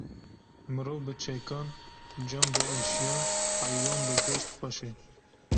Mirov bi çekan, can bi eşya, heywan bi goşt xweş e